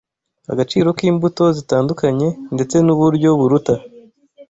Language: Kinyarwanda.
agaciro k’imbuto zitandukanye ndetse n’uburyo buruta